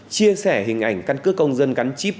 chia sẻ hình ảnh căn cước công dân gắn chip